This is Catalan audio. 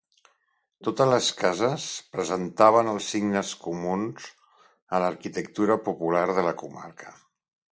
Totes les cases presentaven els signes comuns a l'arquitectura popular de la comarca.